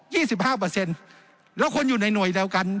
สิบห้าเปอร์เซ็นต์แล้วคนอยู่ในหน่วยเดียวกัน